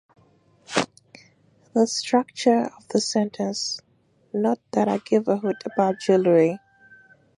The structure of the sentence "Not that I give a hoot about jewelry.